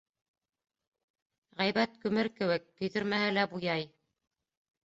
Ғәйбәт күмер кеүек: көйҙөрмәһә лә буяй.